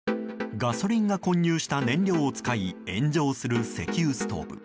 ガソリンが混入した燃料を使い炎上する石油ストーブ。